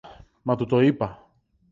Μα του το είπα